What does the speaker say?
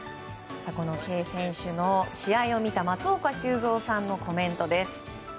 この圭選手の試合を見た松岡修造さんのコメントです。